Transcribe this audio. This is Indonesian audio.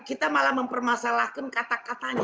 kita malah mempermasalahkan kata katanya